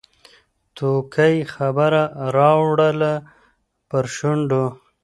توتکۍ خبره راوړله پر شونډو